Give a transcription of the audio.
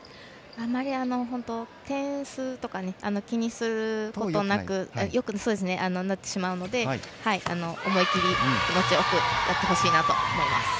あまり点数とか気にすることなく思い切り、気持ちよくやってほしいなと思います。